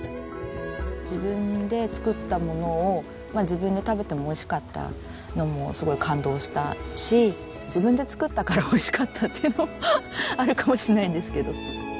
自分で作ったものを自分で食べてもおいしかったのもすごい感動したし自分で作ったからおいしかったっていうのもあるかもしれないんですけど。